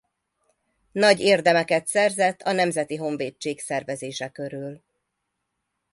Nagy érdemeket szerzett a nemzeti honvédség szervezése körül.